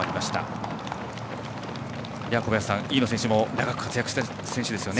小林さん、飯野選手も長く活躍している選手ですね。